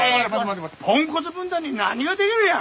ポンコツ分団に何ができるんや！